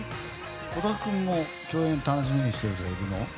小瀧君も楽しみにしている人がいるの？